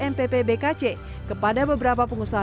mpp bkc kepada beberapa pengusaha